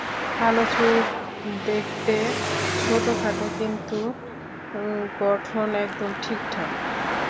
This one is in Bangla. কালো চুল, দেখতে ছোটখাটো কিন্তু গঠন একদম ঠিকঠাক।